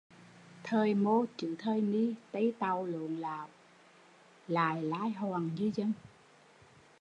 Thời mô chứ thời ni Tây Tàu lộn lạo, lại lai hoàn như dân